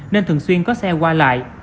nên thường xuyên có xe qua lại